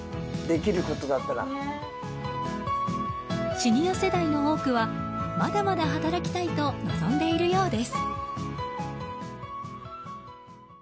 シニア世代の多くはまだまだ働きたいと望んでいるようです。